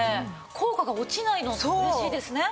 効果が落ちないの嬉しいですね。